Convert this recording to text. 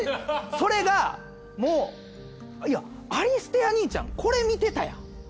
それがもういやアリステア兄ちゃんこれ見てたやん。